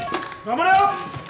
頑張れよ！